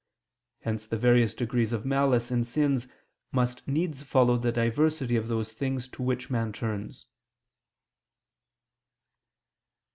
Hence the various degrees of malice in sins must needs follow the diversity of those things to which man turns.